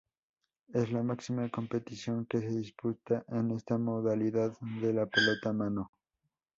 Es la máxima competición que se disputa en esta modalidad de la pelota mano.